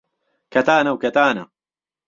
کهتانه و کهتانه